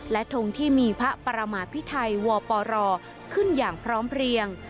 และทงที่มีพระประมาพิไทยวปรขึ้นอย่างพร้อมเพลียง